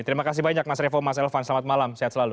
terima kasih banyak mas revo mas elvan selamat malam sehat selalu